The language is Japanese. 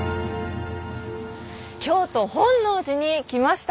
京都本能寺に来ました。